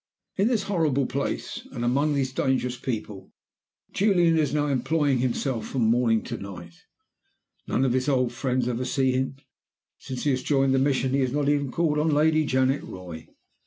In this horrible place, and among these dangerous people, Julian is now employing himself from morning to night. None of his old friends ever see him. Since he joined the Mission he has not even called on Lady Janet Roy.